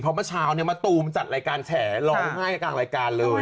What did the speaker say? เพราะเมื่อเช้าเนี่ยมะตูมจัดรายการแฉร้องไห้กลางรายการเลย